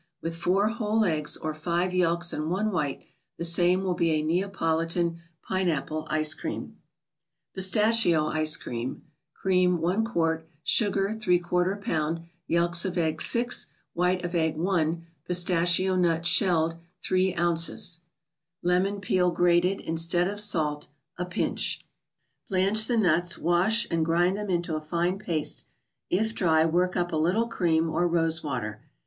With four whole eggs or five yelks and one white, the same will be a " Neapolitan Pine¬ apple Ice Cream." |B>tetai$to 3Jce*Cream. Cream, 1 qt.; Sugar, X lb.; Yelks of eggs, 6; White of egg, 1 ; Pistachio Nuts (shelled), 3 oz.; 34 THE BOOK OF fCES. Lemon peel, grated, instead of salt, a pinch. Blanch the nuts; wash, and grind into a fine paste. If dry, work up with a little cream, or rose water.